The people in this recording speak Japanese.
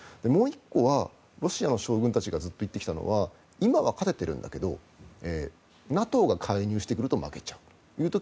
もう１個は、ロシアの将軍たちがずっと言ってきたのは今は勝ててるんだけどＮＡＴＯが介入してくると負けちゃう。